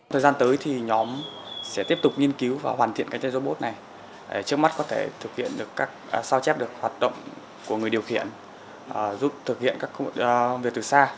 thời gian tới thì nhóm sẽ tiếp tục nghiên cứu và hoàn thiện cái tên robot này trước mắt có thể thực hiện được các sao chép được hoạt động của người điều khiển giúp thực hiện các việc từ xa